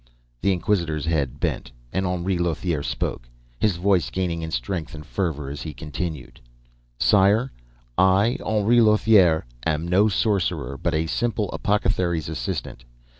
The Inquisitor's head bent, and Henri Lothiere spoke, his voice gaining in strength and fervor as he continued. "Sire, I, Henri Lothiere, am no sorcerer but a simple apothecary's assistant.